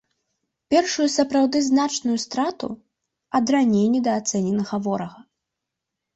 Першую сапраўды значную страту ад раней недаацэненага ворага.